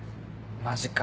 マジか。